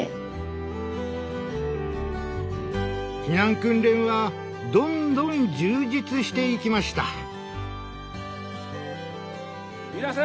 避難訓練はどんどん充実していきました。